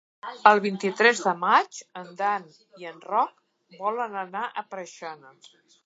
El vint-i-tres de maig en Dan i en Roc volen anar a Preixana.